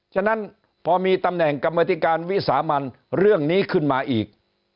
ฉะนั้นพอมีตำแหน่งกรรมธิการวิสามันเรื่องนี้ขึ้นมาอีก